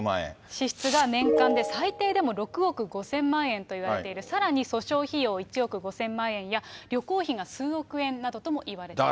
支出が年間で最低でも６億５０００万円と言われている、さらに訴訟費用１億５０００万円や、旅行費が数億円などとも言われています。